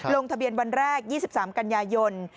ลงทะเบียนวันแรก๒๓กันยายน